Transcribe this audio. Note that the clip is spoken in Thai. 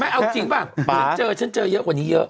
เอาจริงป่ะฉันเจอฉันเจอเยอะกว่านี้เยอะ